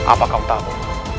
apa kau tahu